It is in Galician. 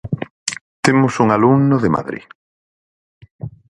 "Temos un alumno de Madrid".